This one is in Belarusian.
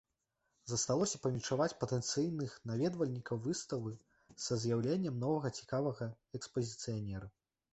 Засталося павіншаваць патэнцыйных наведвальнікаў выставы са з'яўленнем новага цікавага экспазіцыянера.